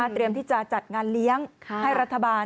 เตรียมที่จะจัดงานเลี้ยงให้รัฐบาล